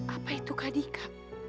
apa itu kak dika